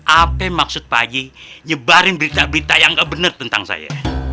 apa maksud pagi nyebarin berita berita yang gak bener tentang saya